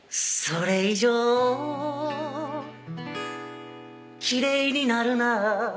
「それ以上きれいになるな」